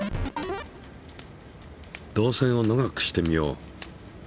導線を長くしてみよう。